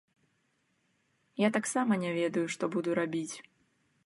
Я таксама не ведаю, што буду рабіць.